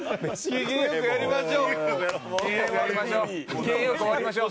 機嫌良く終わりましょう。